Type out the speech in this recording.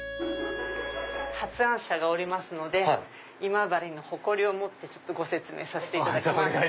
発案者がおりますので今治の誇りを持ってご説明させていただきます。